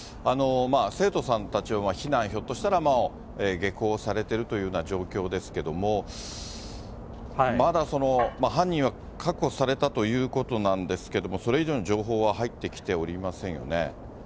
生徒さんたちを避難、ひょっとしたらもう、下校されてるというような状況ですけども、まだ、犯人は確保されたということなんですけれども、それ以上の情報は入ってきておりませんよね。